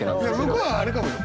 向こうはあれかもよ！